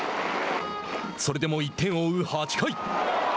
それでも１点を追う８回。